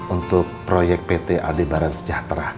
untuk proyek pt adibaran sejahtera